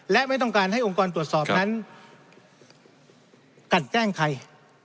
และไม่ต้องการให้องค์กรตรวจสอบนั้นกันแกล้งใคร